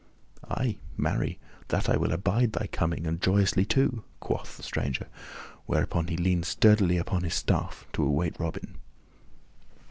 "Ay, marry, that will I abide thy coming, and joyously, too," quoth the stranger; whereupon he leaned sturdily upon his staff to await Robin.